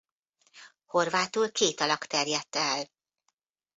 Horvátul két alak terjedt el.